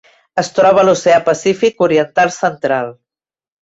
Es troba a l'Oceà Pacífic oriental central: